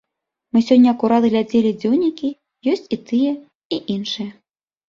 Мы сёння акурат глядзелі дзённікі, ёсць і тыя, і іншыя.